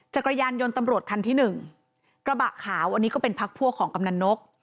จักรยานยนต์ตำรวจคันที่หนึ่งกระบะขาวอันนี้ก็เป็นพักพวกของกำนันนก